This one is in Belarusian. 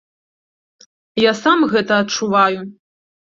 Я сам гэта адчуваю.